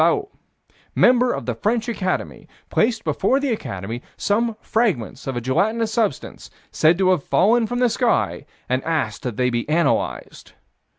Vallot, member of the French Academy, placed before the Academy some fragments of a gelatinous substance, said to have fallen from the sky, and asked that they be analyzed.